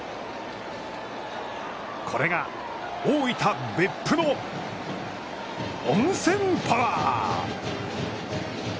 これが、大分別府の温泉パワー！